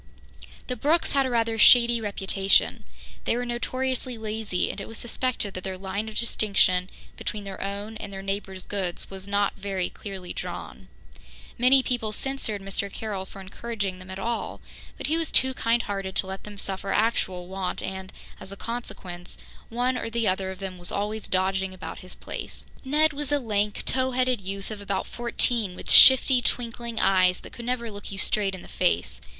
The Brookes had a rather shady reputation. They were notoriously lazy, and it was suspected that their line of distinction between their own and their neighbours' goods was not very clearly drawn. Many people censured Mr. Carroll for encouraging them at all, but he was too kind hearted to let them suffer actual want and, as a consequence, one or the other of them was always dodging about his place. Ned was a lank, tow headed youth of about fourteen, with shifty, twinkling eyes that could never look you straight in the face.